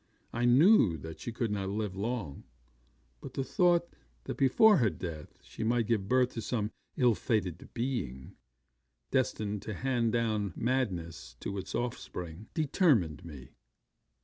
I knew that she could not live long; but the thought that before her death she might give birth to some ill fated being, destined to hand down madness to its offspring, determined me.